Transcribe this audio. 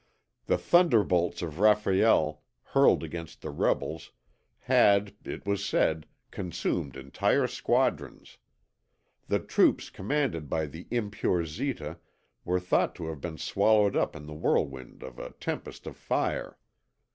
The thunderbolts of Raphael, hurled against the rebels, had, it was said, consumed entire squadrons. The troops commanded by the impure Zita were thought to have been swallowed up in the whirlwind of a tempest of fire.